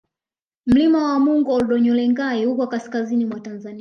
Mlima wa Mungu Ol Doinyo Lengai uko kaskazini mwa Tanzania